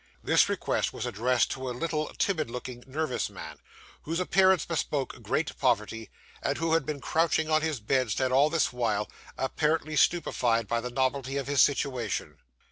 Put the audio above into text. This request was addressed to a little timid looking, nervous man, whose appearance bespoke great poverty, and who had been crouching on his bedstead all this while, apparently stupefied by the novelty of his situation.